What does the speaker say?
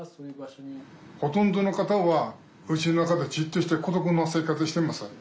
ほとんどの方はうちの中でじっとして孤独な生活しています。